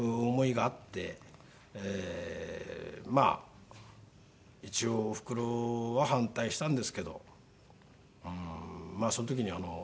まあ一応おふくろは反対したんですけどまあその時にばあちゃんが。